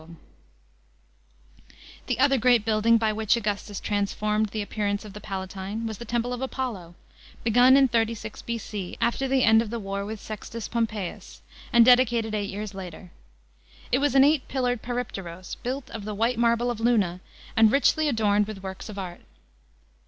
* The other great building by which Augustus transformed the appearance of the Palatine was the temple of Apollo, begun in 36 B.C. after the end of the war wiih Sextus Pom^eius, and dedi cated eight years later. It, wa^ an < ight pMared peripteros, built of the white marble of Luna, and richly adorned with works of art.